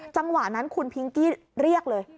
จังหวะนั้นคุณพิงกี้เรียกเลย